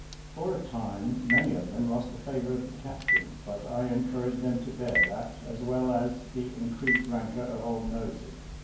For a time, many of them lost the favour of the captain, but I encouraged them to bear that, as well as the increased rancour of "Old Nosey."